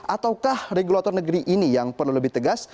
ataukah regulator negeri ini yang perlu lebih tegas